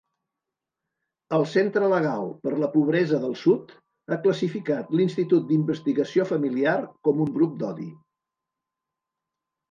El Centre Legal per la Pobresa del Sud ha classificat l'Institut d'Investigació Familiar com un grup d'odi.